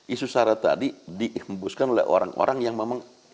isu sara tadi dihembuskan oleh orang orang yang memang